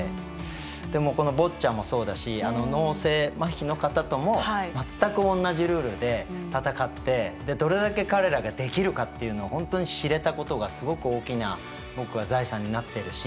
このボッチャもそうだし脳性マヒの方とも全く同じルールで戦ってどれだけ彼らができるかっていうのを本当に知れたことがすごく大きな僕は財産になってるし。